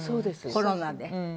コロナで。